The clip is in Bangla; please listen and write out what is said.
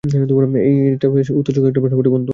এটা বেশ উত্তেজক একটা প্রশ্ন বটে, বন্ধু!